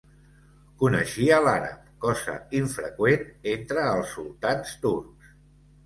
Coneixia l'àrab cosa infreqüent entre els sultans turcs.